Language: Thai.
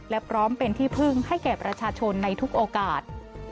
และพร้อมเป็นที่พึ่งให้แก่ประชาชนในทุกโอกาส